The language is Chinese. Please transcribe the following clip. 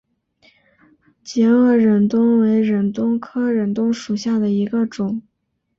截萼忍冬为忍冬科忍冬属下的一个种。